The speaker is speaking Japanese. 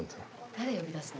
誰呼び出すの？